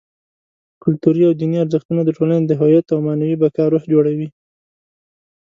کلتوري او دیني ارزښتونه: د ټولنې د هویت او معنوي بقا روح جوړوي.